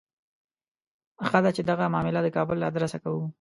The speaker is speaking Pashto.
ښه ده چې دغه معامله د کابل له آدرسه کوو.